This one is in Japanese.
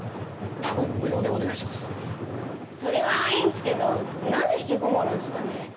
それはいいんすけどなんで引きこもるんすかね？